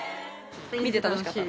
見て楽しかった